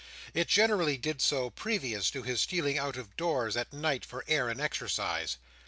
It generally did so previous to his stealing out of doors at night for air and exercise.